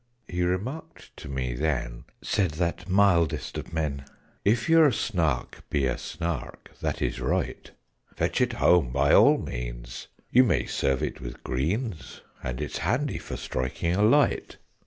"He remarked to me then," said that mildest of men, "'If your Snark be a Snark, that is right: Fetch it home by all means you may serve it with greens And it's handy for striking a light.